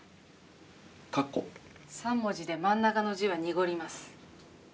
３文字で真ん中の字は濁ります。